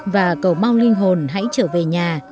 và cầu mong linh hồn hãy trở về nhà